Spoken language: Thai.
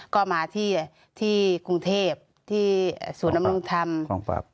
ก็มาที่กรุงเทพที่ศูนย์นำรงธรรมกองปรับ